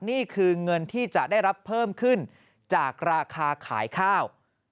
นี่คือเงินที่จะได้รับเพิ่มขึ้นจากราคาขายข้าว